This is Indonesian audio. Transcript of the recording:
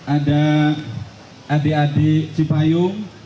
ada adik adik cipayu